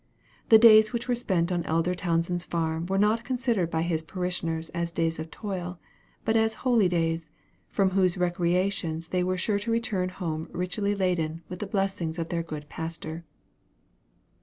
The days which were spent on Elder Townsend's farm were not considered by his parishioners as days of toil, but as holydays, from whose recreations they were sure to return home richly laden with the blessings of their good pastor.